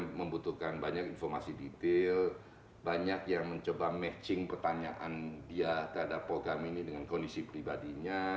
kita membutuhkan banyak informasi detail banyak yang mencoba matching pertanyaan dia terhadap program ini dengan kondisi pribadinya